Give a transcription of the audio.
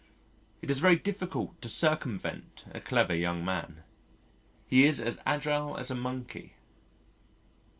It is very difficult to circumvent a clever young man. He is as agile as a monkey.